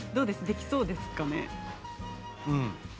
できそうですかね？